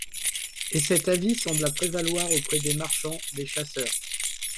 Et cet avis sembla prévaloir auprès des marchands, des chasseurs.